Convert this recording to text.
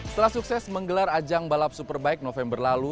setelah sukses menggelar ajang balap superbike november lalu